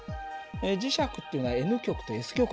磁石っていうのはＮ極とＳ極あるでしょ。